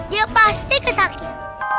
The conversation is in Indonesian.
dia pasti kesakit